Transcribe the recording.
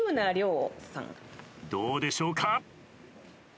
どうでしょうか？